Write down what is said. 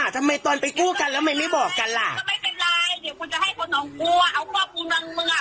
ทำไมตอนไปปลูกกันแล้วไม่ไม่บอกกันล่ะก็ไม่เป็นไร